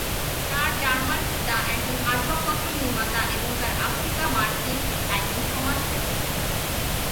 তার জার্মান পিতা একজন আসবাবপত্র নির্মাতা এবং তার আফ্রিকা-মার্কিন একজন সমাজ সেবক।